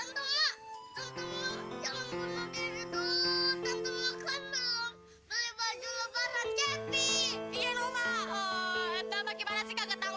tentu ah tentu